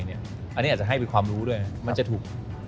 อันนี้อาจจะให้เป็นความรู้ด้วยมันจะถูก